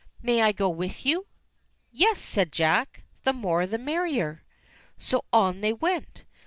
"May I go with you?" "Yes," said Jack, "the more the merrier." So on they went.